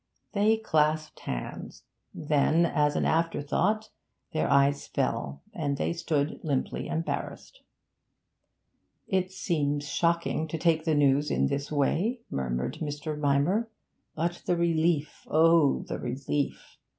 They clasped hands; then, as an afterthought, their eyes fell, and they stood limply embarrassed. 'It seems shocking to take the news in this way,' murmured Mr. Rymer; 'but the relief; oh, the relief!